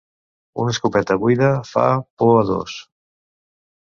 Una escopeta buida fa por a dos.